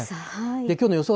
きょうの予想